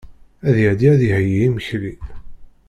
Ad iɛeddi ad iheyyi imekli.